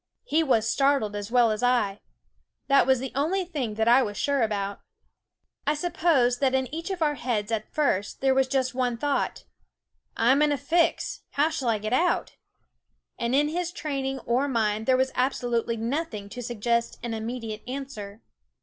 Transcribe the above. He was startled as well as I. That was the only thing that I was sure about. I suppose that in each of our heads at first there was just one thought: " I 'm in a fix; how shall I get out?" And in his training or mine there was absolutely noth ing to suggest an immediate answer.